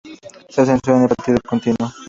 Su ascenso en el partido continuó.